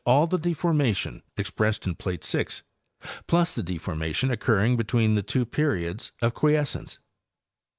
all the deformation expressed in plate 6 plus the de formation occurring between the two periods of quiescence.